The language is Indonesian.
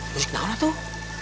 musik tahun tuh